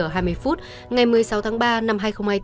h hai mươi phút ngày một mươi sáu tháng ba năm hai nghìn hai mươi bốn